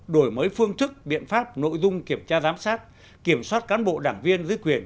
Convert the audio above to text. đổi mới phương thức biện pháp nội dung kiểm tra giám sát kiểm soát cán bộ đảng viên dưới quyền